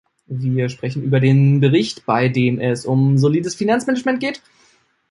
Wir sprechen über den Bericht, bei dem es um solides Finanzmanagement geht.